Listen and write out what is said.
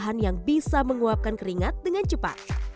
bahan yang bisa menguapkan keringat dengan cepat